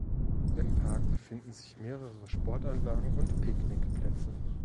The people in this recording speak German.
Im Park befinden sich mehrere Sportanlagen und Picknickplätze.